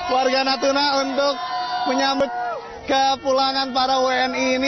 warga natuna untuk menyambut ke pulangan para wni ini